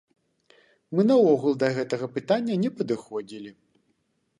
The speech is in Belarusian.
Мы наогул да гэтага пытання не падыходзілі.